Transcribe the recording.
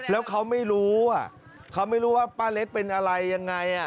แล้วเขาไม่รู้เขาไม่รู้ว่าป้าเล็กเป็นอะไรยังไง